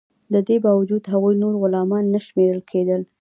د دې باوجود هغوی نور غلامان نه شمیرل کیدل.